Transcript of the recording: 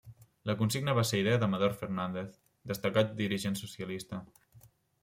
La consigna va ser idea d'Amador Fernández, destacat dirigent socialista.